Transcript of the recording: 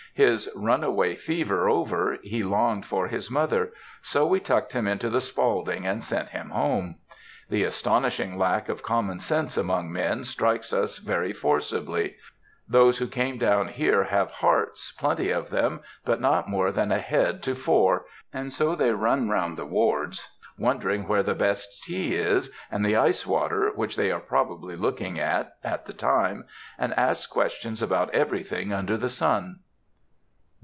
His runaway fever over, he longed for his mother; so we tucked him into the Spaulding and sent him home. The astonishing lack of common sense among men strikes us very forcibly.... Those who came down here have hearts, plenty of them, but not more than a head to four, and so they run round the wards, wondering where the best tea is, and the ice water, which they are probably looking at, at the time, and ask questions about everything under the sun.